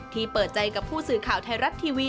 เปิดใจกับผู้สื่อข่าวไทยรัฐทีวี